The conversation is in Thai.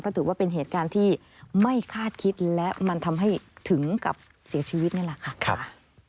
ถือว่าเป็นเหตุการณ์ที่ไม่คาดคิดและมันทำให้ถึงกับเสียชีวิตนี่แหละค่ะ